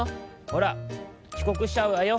ほらちこくしちゃうわよ。